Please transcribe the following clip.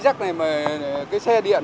cái xe điện